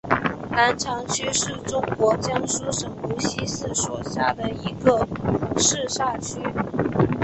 南长区是中国江苏省无锡市所辖的一个市辖区。